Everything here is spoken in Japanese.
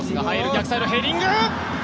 逆サイド、ヘディング！